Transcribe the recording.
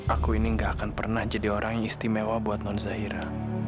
aku ini gak akan pernah jadi orang yang istimewa buat non zahira